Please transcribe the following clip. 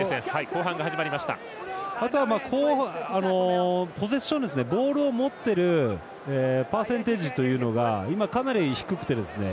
あとは、ポゼッションボールを持ってるパーセンテージというのが今、かなり低くてですね。